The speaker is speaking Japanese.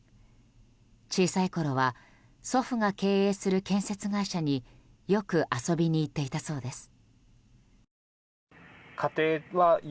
小さいころは祖父が経営する建設会社によく遊びに行っていたそうです。